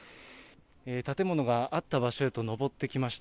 建物があった場所へと上ってきました。